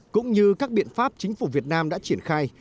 cũng như các biện pháp chính phủ việt nam đã triển khai